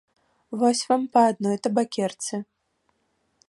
Вось вам па адной табакерцы!